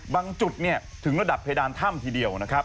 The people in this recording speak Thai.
บางจุดถึงระดับเพดานถ้ำทีเดียว